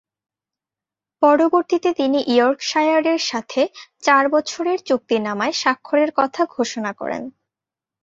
পরবর্তীতে তিনি ইয়র্কশায়ারের সাথে চার-বছরের চুক্তিনামায় স্বাক্ষরের কথা ঘোষণা করেন।